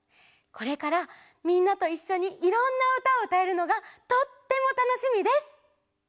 これからみんなといっしょにいろんなうたをうたえるのがとってもたのしみです！